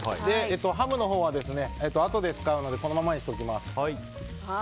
ハムのほうはあとで使うのでこのままにしておきます。